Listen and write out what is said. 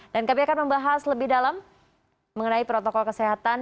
dan kami akan membahas lebih dalam mengenai protokol kesehatan